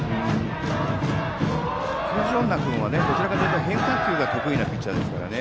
東恩納君はどちらかというと変化球が得意なピッチャーですから。